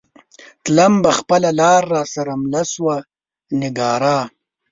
تلم به خپله لار را سره مله شوه نگارا